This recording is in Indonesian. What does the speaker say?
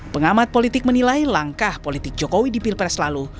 pengamat politik menilai langkah politik jokowi di pilpres lalu